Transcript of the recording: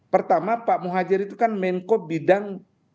pertama pak muhajir itu kan menko bidang